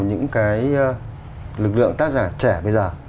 những cái lực lượng tác giả trẻ bây giờ